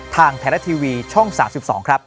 ทางแถละทีวีช่อง๓๒ครับ